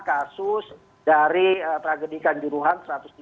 kasus dari tragedi kanjuruhan